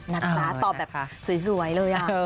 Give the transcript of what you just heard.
นะครับตอบแบบสวยเลย